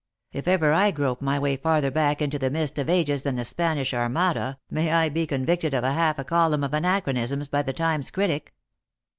If ever I grope my way farther back into the mist of ages than the Spanish Armada, may I be convicted of half a column of anachronisms by the Times critic.